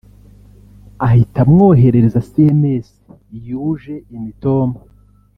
ahita amwoherereza sms yuje imitoma